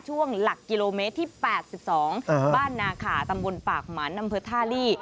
ช่วงหลักกิโลเมตรที่๘๒บ้านนาขาตำบลปากหมันอำเภอท่าลี่